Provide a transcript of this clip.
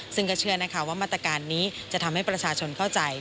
ซึ่งก็เชื่อนะคะว่ามาตรการนี้จะทำให้ประชาชนเข้าใจ